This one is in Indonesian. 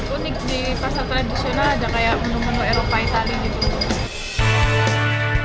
unik di pasar tradisional ada kayak menu menu eropa itali gitu